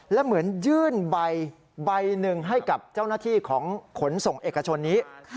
และเหมือนยื่นใบหนึ่งให้กับเจ้าหน้าที่ของขนส่งเอกชนนี้